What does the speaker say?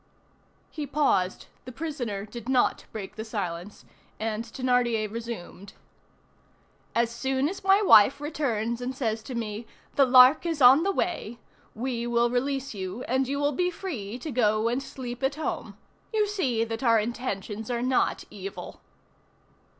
He paused: the prisoner did not break the silence, and Thénardier resumed:— "As soon as my wife returns and says to me: 'The Lark is on the way,' we will release you, and you will be free to go and sleep at home. You see that our intentions are not evil."